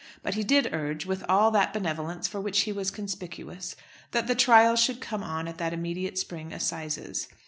But he did urge, with all that benevolence for which he was conspicuous, that the trial should come on at that immediate spring assizes.